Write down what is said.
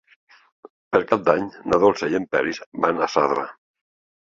Per Cap d'Any na Dolça i en Peris van a Zarra.